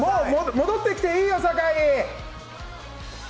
戻ってきていいよ酒井。